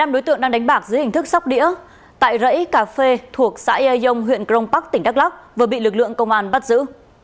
một mươi năm đối tượng đang đánh bạc dưới hình thức sóc đĩa tại rẫy cà phê thuộc xã ea dông huyện grong park tỉnh đắk lóc vừa bị lực lượng công an bắt giữ